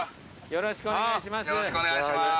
よろしくお願いします。